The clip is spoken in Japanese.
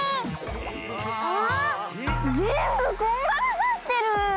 ああぜんぶこんがらがってる。